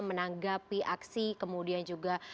menanggapi aksi kemudian juga